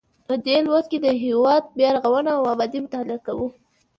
په دې لوست کې د هیواد بیا رغونه او ابادي مطالعه کوو.